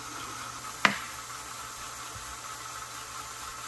Jakost našich zemědělských produktů je něco, co je třeba využít.